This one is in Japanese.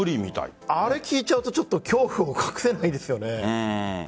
あれを聞いちゃうと恐怖を隠せないですよね。